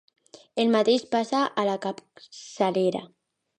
El mateix passa a la capçalera.